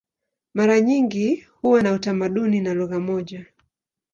Mara nyingi huwa na utamaduni na lugha moja.